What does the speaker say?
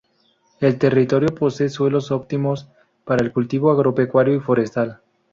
El territorio posee suelos óptimos para el cultivo agropecuario y forestal.